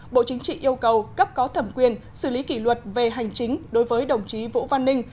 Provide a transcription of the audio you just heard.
bộ chính trị yêu cầu cấp có thẩm quyền xử lý kỷ luật về hành chính đối với đồng chí vũ văn ninh